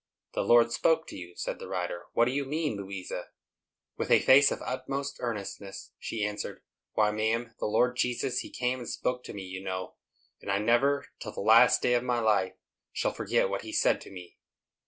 "The Lord spoke to you?" said the writer; "what do you mean, Louisa?" With a face of the utmost earnestness, she answered, "Why, ma'am, the Lord Jesus he came and spoke to me, you know; and I never, till the last day of my life, shall forget what he said to me."